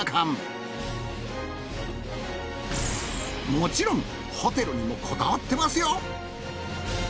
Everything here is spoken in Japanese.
もちろんホテルにもこだわってますよ